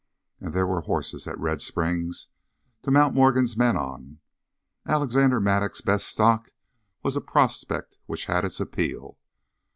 And there were horses at Red Springs. To mount Morgan's men on Alexander Mattock's best stock was a prospect which had its appeal.